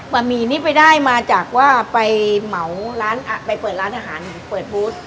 บะหมี่นี้ไปได้มาจากว่าไปเปิดร้านอาหารเปิดพูท